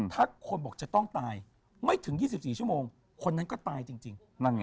ถ้าคนบอกจะต้องตายไม่ถึง๒๔ชั่วโมงคนนั้นก็ตายจริงนั่นไง